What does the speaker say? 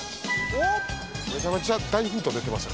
めちゃめちゃ大ヒント出てました。